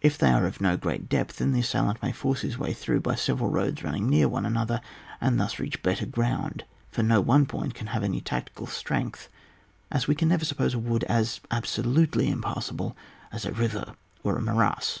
If they are of no great depth then the assailant may force his way through by several roads running near one another, and thus reach better ground, for no one point can have any great tactical strengUi, as we can never suppose a wood as absolutely impass able as a river or a morass.